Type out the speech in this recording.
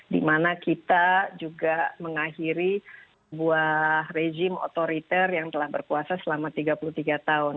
dimana kita juga mengakhiri buah rejim otoriter yang telah berkuasa selama tiga puluh tahun